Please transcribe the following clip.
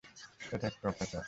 এটা একটা অত্যাচার।